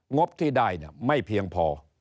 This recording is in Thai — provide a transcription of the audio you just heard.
งบที่ได้ไม่เพียงพอ